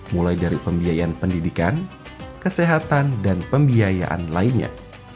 mulai dari pembiayaan pendidikan kesehatan dan pembiayaan lainnya